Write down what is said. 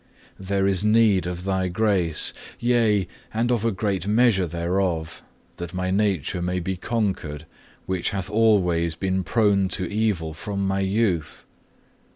2. There is need of Thy grace, yea, and of a great measure thereof, that my nature may be conquered, which hath alway been prone to evil from my youth.